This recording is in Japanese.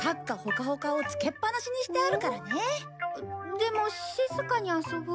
でも静かに遊ぼう。